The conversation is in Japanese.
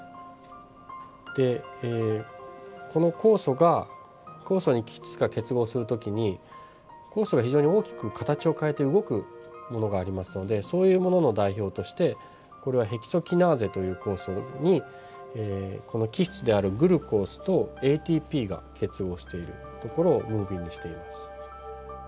でこの酵素が酵素に基質が結合する時に酵素が非常に大きく形を変えて動くものがありますのでそういうものの代表としてこれはヘキソキナーゼという酵素にこの基質であるグルコースとＡＴＰが結合しているところをムービーにしています。